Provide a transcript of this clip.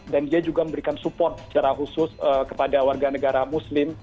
dan dia juga memberikan support secara khusus kepada warga negara muslim